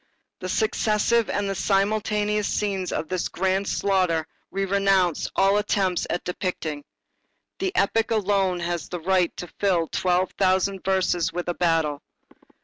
The successive and simultaneous scenes of this grand slaughter we renounce all attempts at depicting. The epic alone has the right to fill twelve thousand verses with a battle.